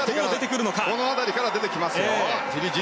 この辺りから出てきますよ。